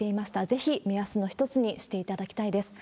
ぜひ目安の一つにしていただきたいです。